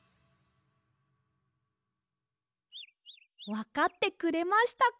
わかってくれましたか？